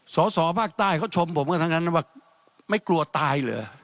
สอสอภาคใต้เขาชมผมกันทั้งนั้นว่าไม่กลัวตายเหรอ